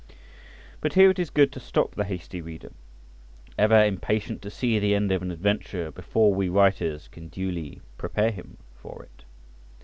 But here it is good to stop the hasty reader, ever impatient to see the end of an adventure before we writers can duly prepare him for it.